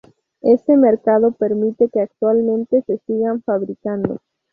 Este mercado permite que actualmente se sigan fabricando.